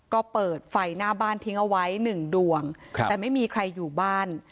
ก็เปิดไฟหน้าบ้านทิ้งเอาไว้หนึ่งดวงแต่ไม่มีใครอยู่บ้าน